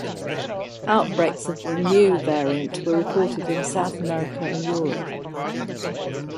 Outbreaks of the Mu variant were reported in South America and Europe.